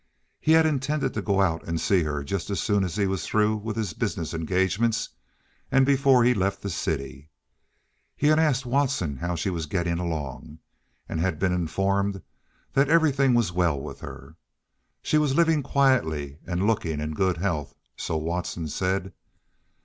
He had intended to go out and see her just as soon as he was through with his business engagements and before he left the city. He had asked Watson how she was getting along, and had been informed that everything was well with her. She was living quietly and looking in good health, so Watson said.